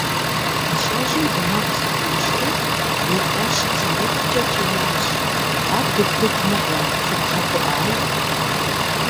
Мыщэжьым гъунэгъу зыхуищӏри и фӏэщ къызэрихькӏэ кӏиящ: «Адыдыд мыгъуэ сыбгъэгуӏай».